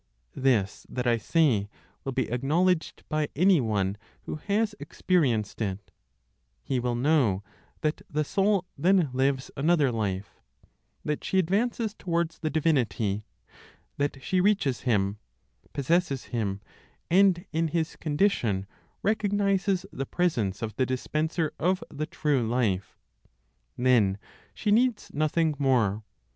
This that I say will be acknowledged by any one who has experienced it; he will know that the soul then lives another life, that she advances towards the Divinity, that she reaches Him, possesses Him, and in his condition recognizes the presence of the Dispenser of the true life. Then she needs nothing more.